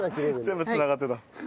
全部繋がってた。